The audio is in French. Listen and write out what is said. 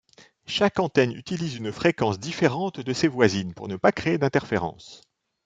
Chaque antenne utilise une fréquence différente de ses voisines pour ne pas créer d'interférence.